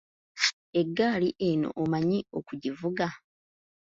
Eggali eno omanyi okugivuga?